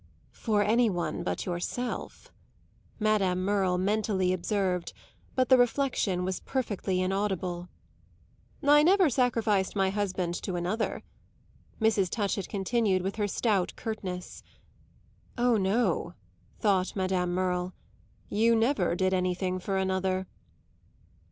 "For any one but yourself," Madame Merle mentally observed; but the reflexion was perfectly inaudible. "I never sacrificed my husband to another," Mrs. Touchett continued with her stout curtness. "Oh no," thought Madame Merle; "you never did anything for another!"